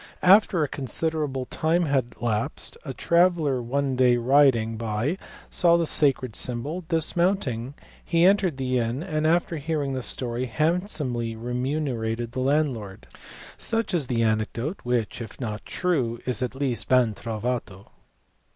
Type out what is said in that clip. After a considerable time had elapsed a traveller one day riding by saw the sacred symbol; dismounting, he entered the inn, and after hearing the story, handsomely re munerated the landlord, Such is the anecdote, which if not true is at least ben trovato.